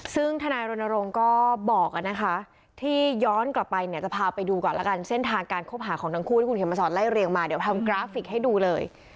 ซึ่งทนายรณรงค์ก็บอกนะคะที่ย้อนกลับไปเนี่ยจะพาไปดูก่อนแล้วกันเส้นทางการคบหาของทั้งคู่ที่คุณเขียนมาสอนไล่เรียงมาเดี๋ยวทำกราฟิกให้ดูเลย